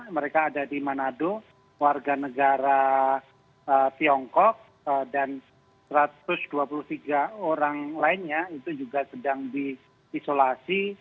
mereka ada di manado warga negara tiongkok dan satu ratus dua puluh tiga orang lainnya itu juga sedang diisolasi